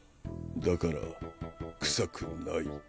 だから臭くない。